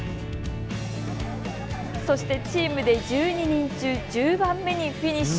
そしてチームで１２人中１０番目にフィニッシュ。